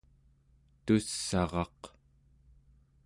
tuss'araq